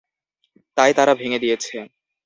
তাই তারা ভেঙে দিয়েছে।